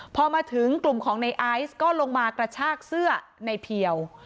พอมาถึงกลุ่มของในไอซ์ก็ลงมากระชากเสื้อในเพียว